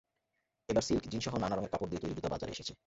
এবার সিল্ক, জিনসসহ নানা রঙের কাপড় দিয়ে তৈরি জুতা বাজারে এসেছে।